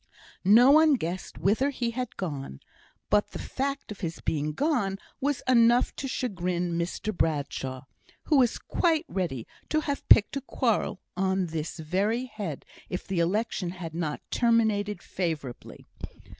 No one guessed whither he had gone; but the fact of his being gone was enough to chagrin Mr Bradshaw, who was quite ready to pick a quarrel on this very head, if the election had not terminated favourably.